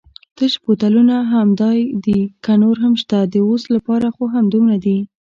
تش بوتلونه همدای دي که نور هم شته؟ د اوس لپاره خو همدومره دي.